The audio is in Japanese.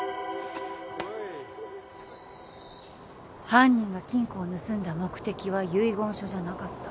犯人が金庫を盗んだ目的は遺言書じゃなかった。